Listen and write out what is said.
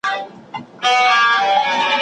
هېر به وي د جام حساب ورک به وي د شیخ کتاب